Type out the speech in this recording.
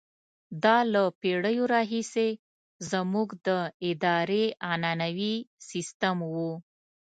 دا له پېړیو راهیسې زموږ د ادارې عنعنوي سیستم وو.